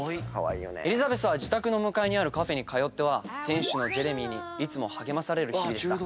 エリザベスは自宅の向かいにあるカフェに通っては店主のジェレミーにいつも励まされる日々でした。